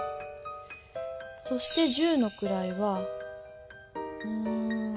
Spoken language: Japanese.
そして十のくらいはうん。